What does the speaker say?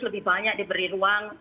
lebih banyak diberi ruang